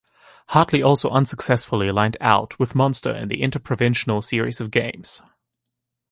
Hartley also unsuccessfully lined out with Munster in the inter-provincial series of games.